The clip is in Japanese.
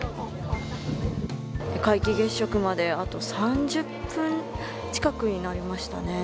皆既月食まであと３０分近くになりましたね。